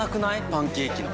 パンケーキの。